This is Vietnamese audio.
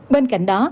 bên cạnh đó